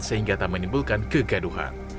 sehingga tak menimbulkan kegaduhan